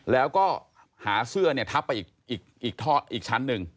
แล้วก็หาเสื้อเนี่ยทับไปอีกชั้นหนึ่ง